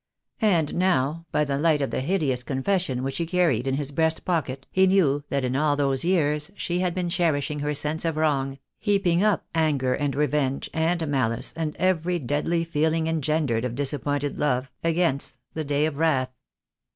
And now by the light of the hideous confession which he carried in his breast pocket he knew that in all those years she had been cherishing her sense of wrong, heap ing up anger and revenge and malice and every deadly feeling engendered of disappointed love, against the day of wrath.